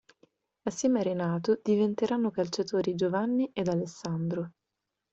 Assieme a Renato, diventeranno calciatori Giovanni ed Alessandro.